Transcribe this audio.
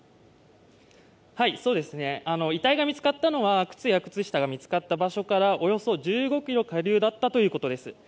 そうですね、遺体が見つかったのは靴や靴下が見つかった場所からおよそ１５ｋｍ下流だったということです。